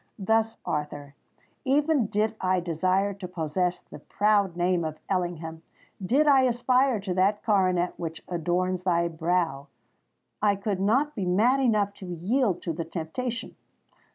Thus, Arthur, even did I desire to possess the proud name of Ellingham—did I aspire to that coronet which adorns thy brow—I could not be mad enough to yield to the temptation.